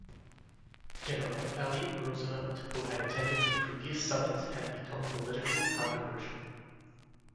General Elliott Roosevelt, who had attended the previous summits, had become politically controversial.